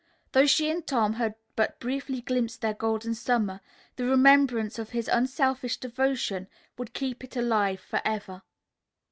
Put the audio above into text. Though she and Tom had but briefly glimpsed their Golden Summer, the remembrance of his unselfish devotion would keep it alive forever.